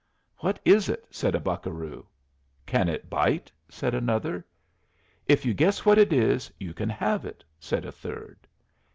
"What is it?" said a buccaroo. "Can it bite?" said another. "If you guess what it is, you can have it," said a third.